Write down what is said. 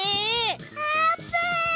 あーぷん！